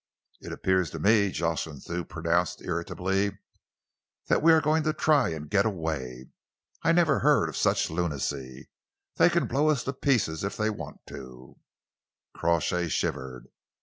"It appears to me," Jocelyn Thew pronounced irritably, "that we are going to try and get away. I never heard of such lunacy. They can blow us to pieces if they want to." Crawshay shivered.